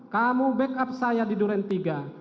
kamu backup saya di duren tiga